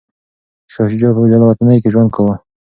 شاه شجاع په جلاوطنۍ کي ژوند کاوه.